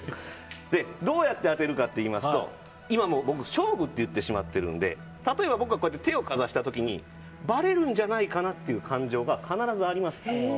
どうやって当てるかといいますと今、僕勝負と言ってしまってるので例えば僕が手をかざしたときにばれるんじゃないかなという感情が必ずあります。